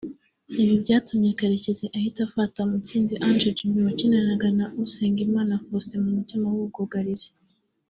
Ibi byatumye Karekezi ahita afata Mutsinzi Ange Jimmy wakinanaga na Usengimana Faustin mu mutima w'ubwugarizi